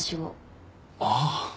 ああ。